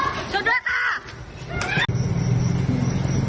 ขอบคุณครับ